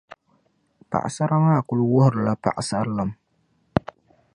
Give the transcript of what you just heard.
Paɣisara maa kuli wuhirili la paɣisarilim